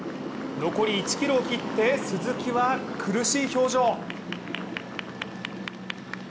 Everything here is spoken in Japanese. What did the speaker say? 残り１ｋｍを切って鈴木は苦しい表情。